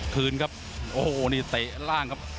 คืนครับโอ้โหนี่เตะล่างครับ